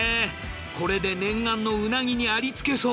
これで念願のうなぎにありつけそう。